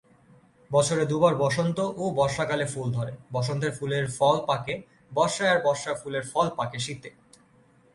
বছরে দু-বার বসন্ত ও বর্ষাকালে ফুল ধরে; বসন্তের ফুলের ফল পাকে বর্ষায় আর বর্ষার ফুলের ফল পাকে শীতে।